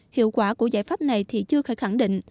hiệu quả của giải pháp này thì chưa thể khẳng định